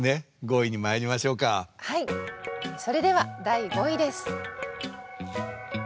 それでは第５位です。